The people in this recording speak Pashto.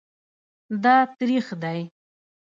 دا تریخ دی